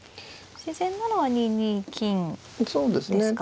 自然なのは２二金ですか。